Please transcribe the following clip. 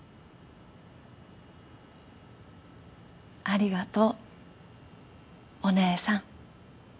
ありがとうお姉さん。